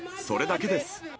それだけです。